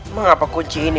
mengapa kunci ini